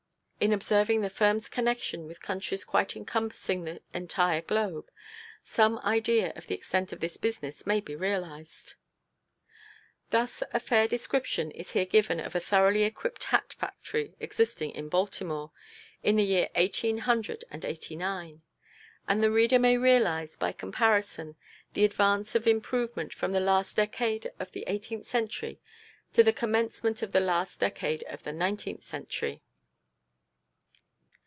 In observing the firm's connection with countries quite encompassing the entire globe, some idea of the extent of this business may be realized. Thus a fair description is here given of a thoroughly equipped hat factory existing in Baltimore, in the year eighteen hundred and eighty nine, and the reader may realize by comparison the advance of improvement from the last decade of the eighteenth century to the commencement of the last decade of the nineteenth century.